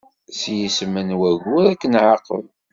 S yisem n wayyur, ad k-nɛaqeb!